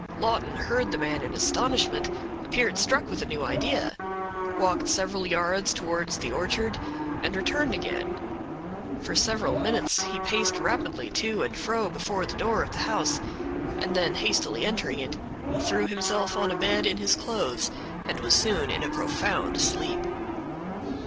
Lawton heard the man in astonishment—appeared struck with a new idea—walked several yards towards the orchard, and returned again; for several minutes he paced rapidly to and fro before the door of the house, and then hastily entering it, he threw himself on a bed in his clothes, and was soon in a profound sleep.